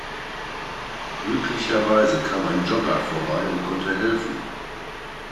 Glücklicherweise kam ein Jogger vorbei und konnte helfen.